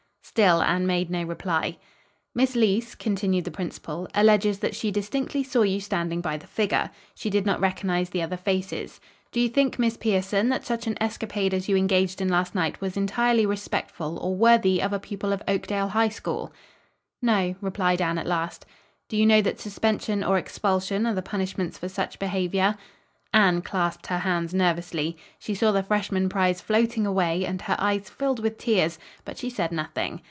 Still Anne made no reply. "Miss Leece," continued the principal, "alleges that she distinctly saw you standing by the figure. She did not recognize the other faces. Do you think, Miss Pierson, that such an escapade as you engaged in last night was entirely respectful or worthy of a pupil of Oakdale High School?" "No," replied Anne at last. "Do you know that suspension or expulsion are the punishments for such behavior?" Anne clasped her hands nervously. She saw the freshman prize floating away, and her eyes filled with tears, but she said nothing.